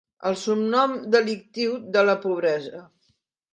El submon delictiu, de la pobresa.